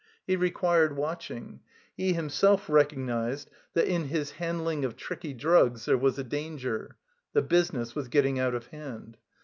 He required watching. He him self recognized that in his handling of tricky drugs there was a danger. The business was getting out of hand.